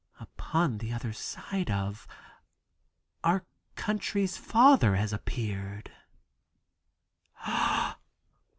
"Upon the other side of our country's father has appeared.